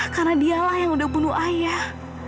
karena dialah yang udah bunuh ayah